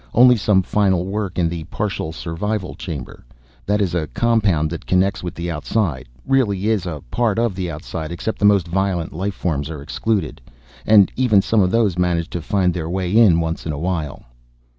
Only some final work in the partial survival chamber. That is a compound that connects with the outside really is a part of the outside except the most violent life forms are excluded. And even some of those manage to find their way in once in a while."